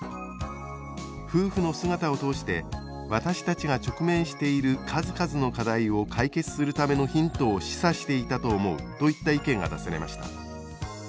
「夫婦の姿を通して私たちが直面している数々の課題を解決するためのヒントを示唆していたと思う」といった意見が出されました。